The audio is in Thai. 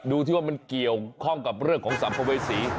ดูที่ว่ามันเกี่ยวข้องกับเรื่องของสัมภเวษี